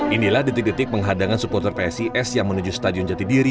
inilah detik detik penghadangan supporter psis yang menuju stadion jatidiri